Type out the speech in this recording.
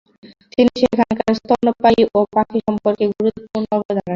তিনি সেখানকার স্তন্যপায়ী ও পাখি সম্পর্কে গুরুত্বপূর্ণ অবদান রাখেন।